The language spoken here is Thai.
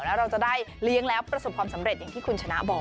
แล้วเราจะได้เลี้ยงแล้วประสบความสำเร็จอย่างที่คุณชนะบอก